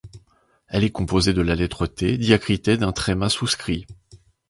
Elle est composée de la lettre T diacritée d’un tréma souscrit.